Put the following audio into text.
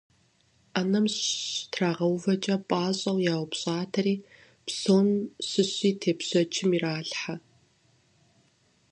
Ӏэнэм щытрагъэувэкӀэ пӀащӀэу яупщӀатэри, псом щыщи тепщэчым иралъхьэ.